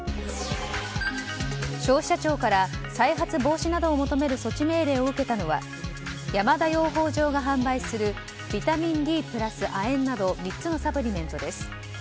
消費者庁から再発防止などを求める措置命令を受けたのは山田養蜂場が販売するビタミンＤ＋亜鉛など３つのサプリメントです。